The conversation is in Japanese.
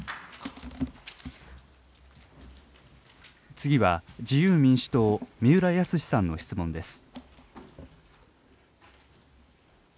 次は自由民主党、三浦靖さんの質問です。